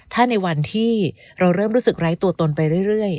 ถ้าในวันที่เราเริ่มรู้สึกไร้ตัวตนไปเรื่อย